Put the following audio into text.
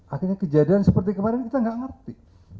akhirnya kejadian seperti kemarin kita nggak ngerti